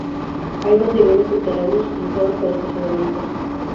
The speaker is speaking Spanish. Hay dos niveles subterráneos, utilizados para estacionamientos.